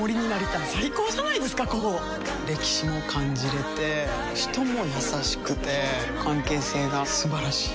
歴史も感じれて人も優しくて関係性が素晴らしい。